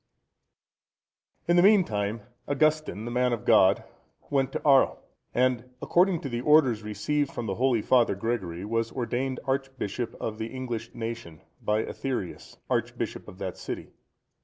D.] In the meantime, Augustine, the man of God, went to Arles, and, according to the orders received from the holy Father Gregory, was ordained archbishop of the English nation,(118) by Aetherius,(119) archbishop of that city.